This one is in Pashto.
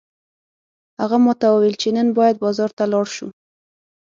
هغه ماته وویل چې نن باید بازار ته لاړ شو